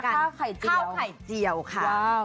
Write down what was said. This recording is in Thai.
ข้าวไข่เจียว